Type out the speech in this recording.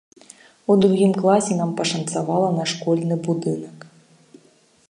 У другім класе нам пашанцавала на школьны будынак.